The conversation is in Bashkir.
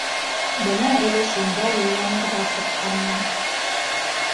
Бына әле шунда юлланырға сыҡҡанмын